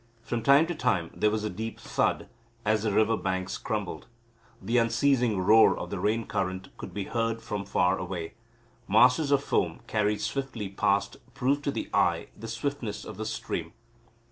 From time to time there was a deep thud, as the river banks crumbled. The unceasing roar of the rain current could be beard from far away. Masses of foam, carried swiftly past, proved to the eye the swiftness of the stream.